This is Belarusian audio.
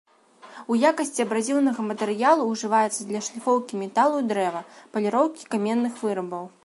У якасці абразіўнага матэрыялу ўжываецца для шліфоўкі металу і дрэва, паліроўкі каменных вырабаў.